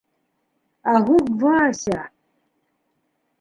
— Ә һуң, Вася...